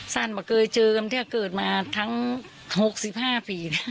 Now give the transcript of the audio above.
สั่นปะเกิดเจอมถ้าเกิดมาทั้ง๖๕ปี